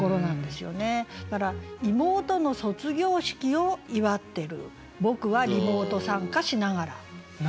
だから「妹の卒業式を祝ってる僕はリモート参加しながら」。